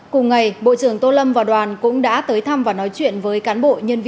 cùng ngày bộ trưởng tô lâm và đoàn cũng đã tới thăm và nói chuyện với cán bộ